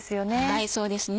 はいそうですね。